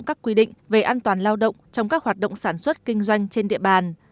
các quy định về an toàn lao động trong các hoạt động sản xuất kinh doanh trên địa bàn